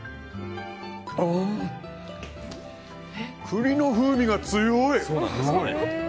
栗の風味が強い！